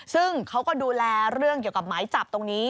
ซึ่งเขาก็ดูแลเรื่องเกี่ยวกับหมายจับตรงนี้